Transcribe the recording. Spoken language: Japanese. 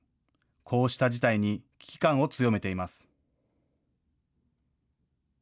こうした事態に危機感を強めています。